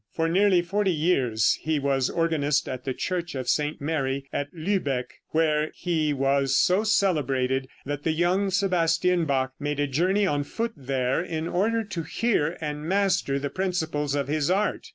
For nearly forty years he was organist at the Church of St. Mary at Lübeck, where he was so celebrated that the young Sebastian Bach made a journey on foot there in order to hear and master the principles of his art.